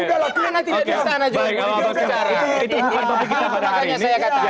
itu yang kita berharapkan pada hari ini